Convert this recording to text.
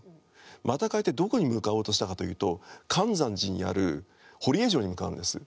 また変えてどこに向かおうとしたかというと舘山寺にある堀江城に向かうんです。